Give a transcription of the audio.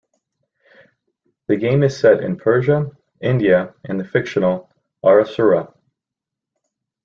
The game is set in Persia, India, and the fictional Aresura.